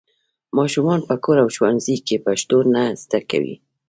ماشومان په کور او ښوونځي کې پښتو نه زده کوي.